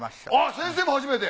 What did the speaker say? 先生も初めて。